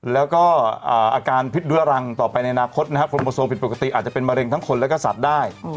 แล้วก็อาการพิษเรื้อรังต่อไปในอนาคตนะครับกรมประโซผิดปกติอาจจะเป็นมะเร็งทั้งคนและก็สัตว์ได้